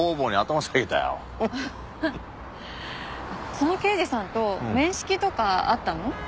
その刑事さんと面識とかあったの？